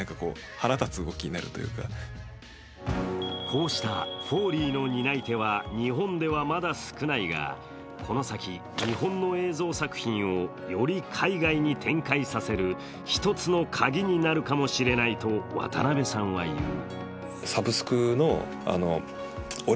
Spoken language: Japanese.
こうしたフォーリーの担い手は日本ではまだ少ないがこの先、日本の映像作品をより海外に展開させる一つのカギになるかもしれないと渡邊さんは言う。